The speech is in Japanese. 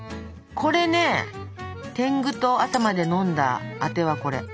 これねてんぐと朝まで飲んだアテはこれ。